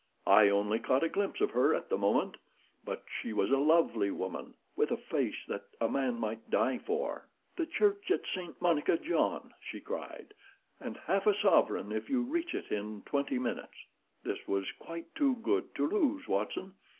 I only caught a glimpse of her at the moment, but she was a lovely woman, with a face that a man might die for. "'The Church of St. Monica, John,' she cried; 'and half a sovereign if you reach it in twenty minutes.' "This was quite too good to lose, Watson.